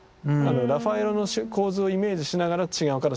ラファエロの構図をイメージしながら違う形で。